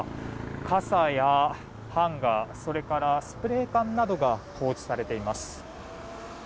傘やハンガー、スプレー缶などが放置されています。